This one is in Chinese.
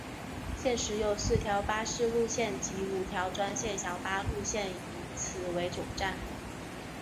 现时有四条巴士路线及五条专线小巴路线以此为总站。